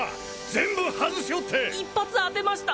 全部外しおって１発当てました